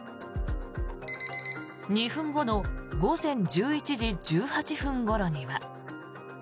２分後の午前１１時１８分ごろには。